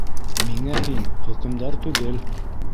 Миңә һин хөкөмдар түгел!